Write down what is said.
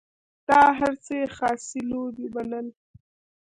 دا هر څه یې خاصې لوبې بلل.